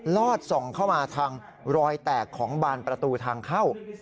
ลอดส่องเข้ามาทางรอยแตกของบานประตูทางเข้า